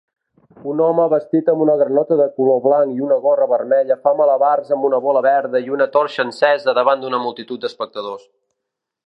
Un home vestit amb una granota de color blanc i una gorra vermella fa malabars amb una bola verda i una torxa encesa davant d'una multitud d'espectadors